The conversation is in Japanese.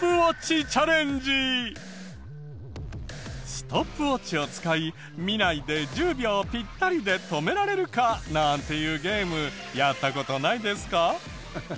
ストップウォッチを使い見ないで１０秒ピッタリで止められるかなんていうゲームやった事ないですか？